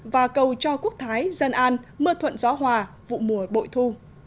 và cầu cho quốc thái dân an mưa thuận gió hòa vụ mùa bội thu